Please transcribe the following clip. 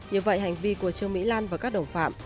như vậy hành vi của trương mỹ lan và các đồng phạm